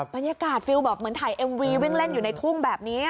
ฟิลแบบเหมือนถ่ายเอ็มวีวิ่งเล่นอยู่ในทุ่งแบบนี้